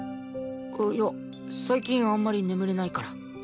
いや最近あんまり眠れないから。